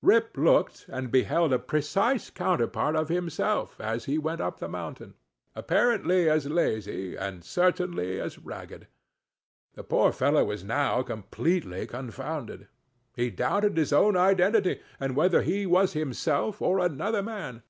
Rip looked, and beheld a precise counterpart of himself, as he went up the mountain; apparently as lazy, and certainly as ragged. The poor fellow was now completely confounded. He doubted his own identity, and whether he was himself or another man.